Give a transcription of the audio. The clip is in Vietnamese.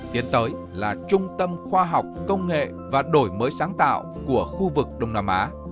tiến tới là trung tâm khoa học công nghệ và đổi mới sáng tạo của khu vực đông nam á